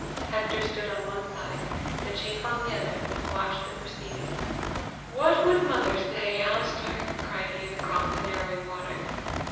Hector stood on one side, the chief on the other, and watched the proceeding. "What would mother say, Alister!" cried Ian across the narrowing water.